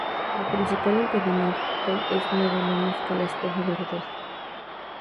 El principal impedimento es nada menos que la esposa de Rodolfo.